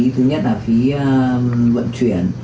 thứ nhất là phí vận chuyển